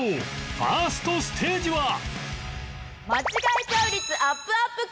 ファーストステージはアップ！